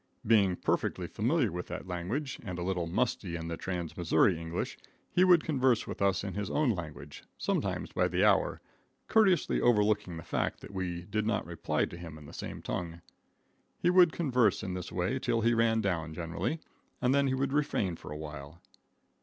Being perfectly familiar with that language, and a little musty in the trans Missouri English, he would converse with us in his own language, sometimes by the hour, courteously overlooking the fact that we did not reply to him in the same tongue. He would converse in this way till he ran down, generally, and then he would refrain for a while.